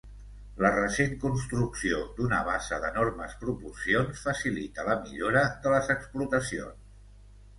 La recent construcció d'una bassa d'enormes proporcions facilita la millora de les explotacions.